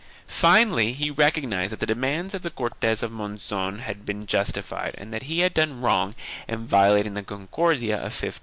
1 Finally he recognized that the demands of the Cortes of Monzon had been justified and that he had done wrong in violating the Concordia of 1512.